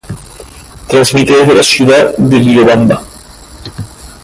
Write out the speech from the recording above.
Transmite desde la ciudad de Riobamba.